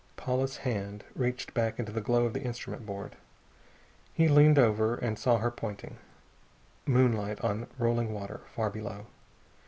Paula's hand reached back into the glow of the instrument board. He leaned over and saw her pointing. Moonlight on rolling water, far below.